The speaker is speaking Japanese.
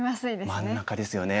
真ん中ですよね。